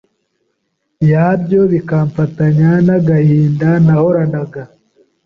yabyo bikamfatanya n’agahinda nahoranaga